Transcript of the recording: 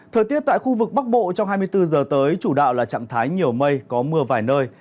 thời tiết tại khu vực bắc bộ trong hai mươi bốn giờ tới chủ đạo là trạng thái nhiều mây có mưa vài nơi